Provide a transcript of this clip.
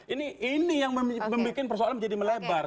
ini yang membuat persoalan menjadi melebar